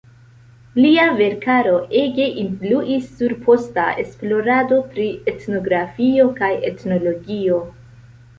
Lia verkaro ege influis sur posta esplorado pri etnografio kaj etnologio.